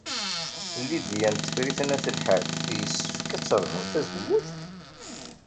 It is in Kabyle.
Lidya n Tifrit n At Lḥaǧ yessefk ad terẓem tazewwut?